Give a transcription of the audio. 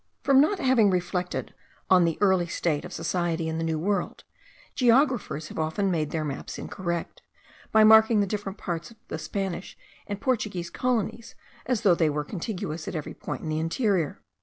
From not having reflected on the early state of society in the New World, geographers have often made their maps incorrect, by marking the different parts of the Spanish and Portuguese colonies, as though they were contiguous at every point in the interior.